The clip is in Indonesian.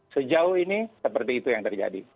sejauh ini seperti itu yang terjadi